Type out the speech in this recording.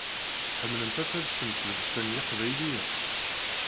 Tḥemmlemt ad telsemt llebsa n yeqbayliyen?